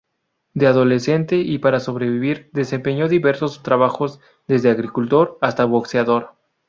De adolescente y para sobrevivir, desempeñó diversos trabajos: desde agricultor hasta boxeador.